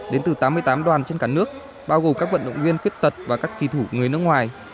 đến từ tám mươi tám đoàn trên cả nước bao gồm các vận động viên khuyết tật và các kỳ thủ người nước ngoài